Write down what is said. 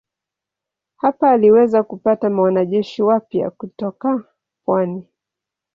Hapa aliweza kupata wanajeshi wapya kutoka pwani.